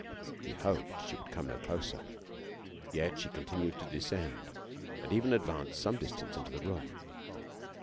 He hoped she would come no closer. Yet, she continued to descend, and even advanced some distance into the room.